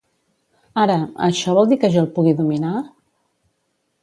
Ara, això vol dir que jo el pugui dominar?